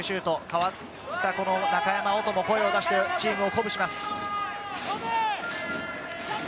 代わった中山織斗も声を出してチームを鼓舞します。